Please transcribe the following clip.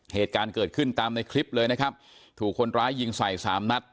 เหตุการณ์เกิดขึ้นตามในคลิปเลยนะครับถูกคนร้ายยิงใส่สามนัด